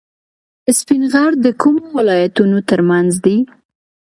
سپین غر د کومو ولایتونو ترمنځ دی؟